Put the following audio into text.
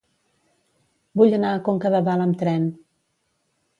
Vull anar a Conca de Dalt amb tren.